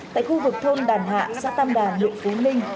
tại khu vực thôn đàn hạ xã tam đà miệng phú ninh